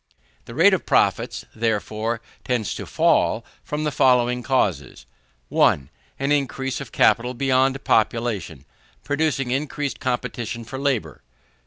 The rate of profits, therefore, tends to fall from the following causes: 1. An increase of capital beyond population, producing increased competition for labour; 2.